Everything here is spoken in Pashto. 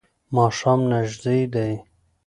ماښام نژدې و.